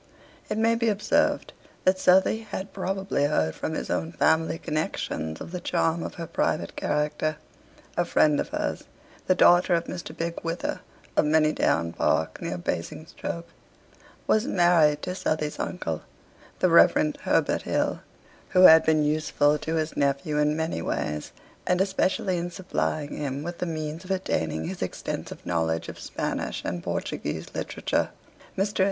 It may be observed that Southey had probably heard from his own family connections of the charm of her private character. A friend of hers, the daughter of Mr. Bigge Wither, of Manydown Park near Basingstoke, was married to Southey's uncle, the Rev. Herbert Hill, who had been useful to his nephew in many ways, and especially in supplying him with the means of attaining his extensive knowledge of Spanish and Portuguese literature. Mr.